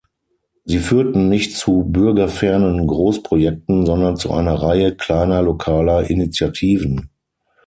Sie führten nicht zu bürgerfernen Großprojekten, sondern zu einer Reihe kleiner lokaler Initiativen.